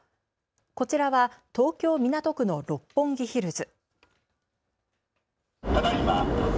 こちらは東京港区の六本木ヒルズ。